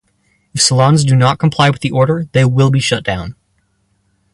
If salons do not comply with the order they will be shut down.